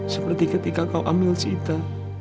seperti ketika kau ambil cita